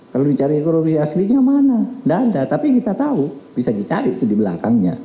kalau dicari ekonomi aslinya mana tidak ada tapi kita tahu bisa dicari tuh di belakangnya